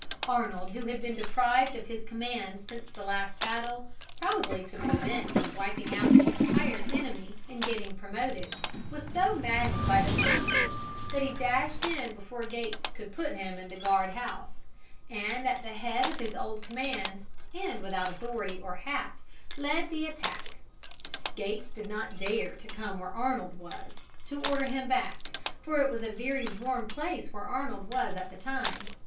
Arnold, who had been deprived of his command since the last battle, probably to prevent his wiping out the entire enemy and getting promoted, was so maddened by the conflict that he dashed in before Gates could put him in the guard house, and at the head of his old command, and without authority or hat, led the attack. Gates did not dare to come where Arnold was, to order him back, for it was a very warm place where Arnold was at the time.